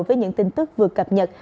với những tin tức vừa cập nhật